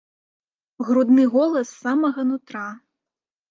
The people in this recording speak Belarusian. Грудны голас з самага нутра.